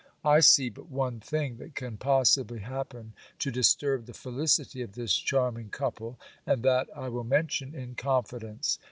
I see but one thing that can possibly happen to disturb the felicity of this charming couple; and that I will mention, in confidence.